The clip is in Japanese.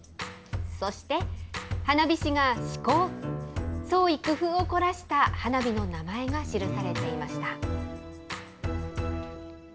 そして、花火師が創意工夫を凝らした花火の名前が記されていました。